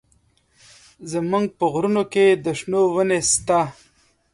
زموږ په غرونو کښې د شنو ونې سته.